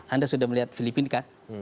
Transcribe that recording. anda sudah melihat filipina kan